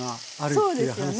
そうですよね。